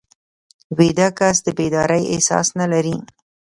ویده کس د بیدارۍ احساس نه لري